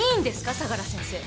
相良先生。